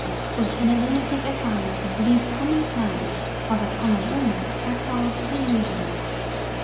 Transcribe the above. But in a lunatic asylum these common signs of a common illness are called 'delusions.'